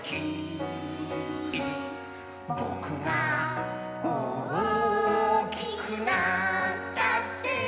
「ぼくがおおきくなったって」